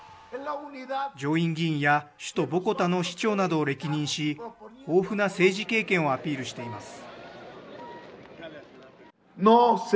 上院議員や首都ボゴタの市長などを歴任し豊富な政治経験をアピールしています。